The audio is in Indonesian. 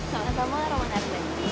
sama sama roman ardenti